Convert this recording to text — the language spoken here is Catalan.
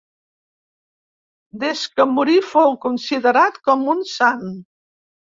Des que morí fou considerat com un sant.